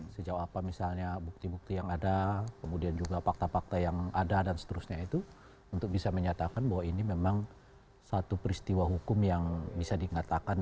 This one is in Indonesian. sejauh apa misalnya bukti bukti yang ada kemudian juga fakta fakta yang ada dan seterusnya itu untuk bisa menyatakan bahwa ini memang satu peristiwa hukum yang bisa dikatakan